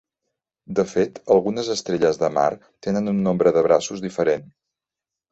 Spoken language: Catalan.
De fet, algunes estrelles de mar tenen un nombre de braços diferent.